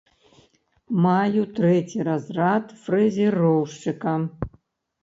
Маю трэці разрад фрэзероўшчыка.